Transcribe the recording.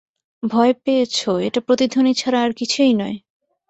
ভয় পেয়েছ, এটা প্রতিধ্বনি ছাড়া আর কিছুই নয়।